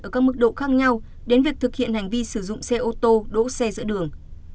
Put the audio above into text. ở các mức độ khác nhau đến việc thực hiện hành vi sử dụng xe ô tô đỗ xe giữa đường